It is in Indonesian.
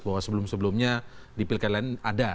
bahwa sebelum sebelumnya di pilkada lain ada